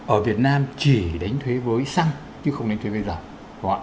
ở việt nam chỉ đánh thuế với xăng chứ không đánh thuế với dầu